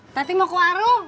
tat mau ke warung